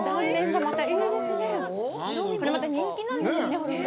これまた人気なんですね。